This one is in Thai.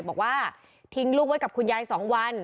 บอกว่าทิ้งลูกไว้กับคุณยาย๒วัน